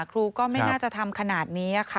ครูก็เลยบังคับให้ถอดชุดชั้นในออกค่ะ